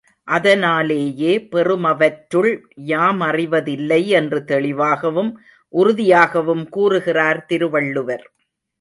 அதனாலேயே பெறுமவற்றுள் யாமறிவதில்லை என்று தெளிவாகவும் உறுதியாகவும் கூறுகிறார் திருவள்ளுவர்.